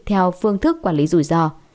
theo phương thức quản lý rủi rò